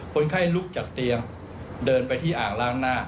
คนไข้ลุกจากเตียงเดินไปที่อ่างล้างหน้า